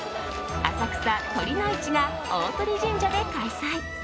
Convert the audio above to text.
浅草・酉の市が鷲神社で開催。